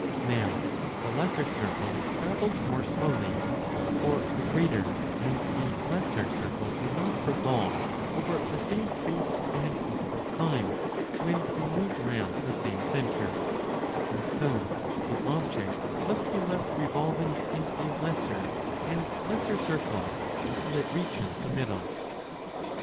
Now the lesser circle travels more slowly for the greater and the lesser circle do not 1 revolve over the same space in an equal time when they move round the same centre and so the object must be left revolving in a lesser and lesser circle 20 until it reaches the middle.